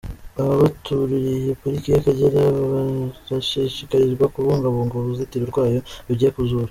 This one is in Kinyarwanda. Ababatuririye Pariki y’Akagera barashishikarizwa kubungabunga uruzitiro rwayo rugiye kuzura